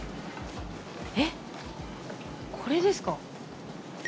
えっこれですか？